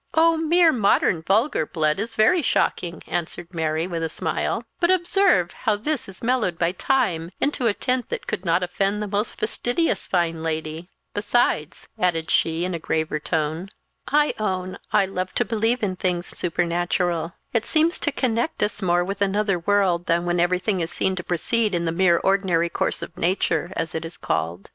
"Oh! mere modern vulgar blood is very shocking," answered Mary, with a smile; "but observe how this is mellowed by time into a tint that could not offend the most fastidious fine lady; besides," added she in a graver tone, "I own I love to believe in things supernatural; it seems to connect us more with another world than when everything is seen to proceed in the mere ordinary course of nature, as it is called.